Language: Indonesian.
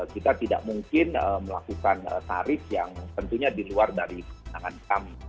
kita tidak mungkin melakukan tarif yang tentunya di luar dari kemenangan kami